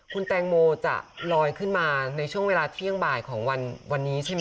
คุณแตงโมจะลอยขึ้นมาในช่วงเวลาเที่ยงบ่ายของวันนี้ใช่ไหม